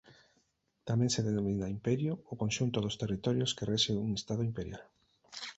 Tamén se denomina Imperio ao conxunto dos territorios que rexe un estado imperial.